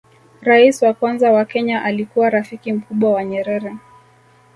rais wa kwanza wa kenya alikuwa rafiki mkubwa wa nyerere